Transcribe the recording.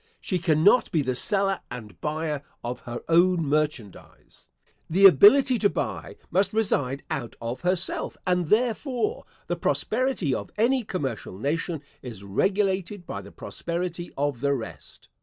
She cannot be the seller and buyer of her own merchandise. The ability to buy must reside out of herself; and, therefore, the prosperity of any commercial nation is regulated by the prosperity of the rest.